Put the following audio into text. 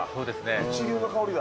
一流の香りだ。